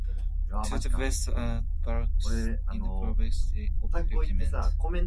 To the west are the Barracks of the Pavlovsky Regiment.